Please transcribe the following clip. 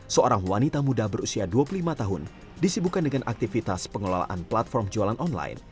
seorang wanita muda berusia dua puluh lima tahun disibukan dengan aktivitas pengelolaan platform jualan online